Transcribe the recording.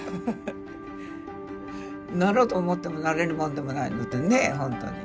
なろうと思ってもなれるもんでもないのでね